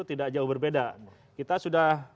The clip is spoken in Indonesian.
tidak jauh berbeda kita sudah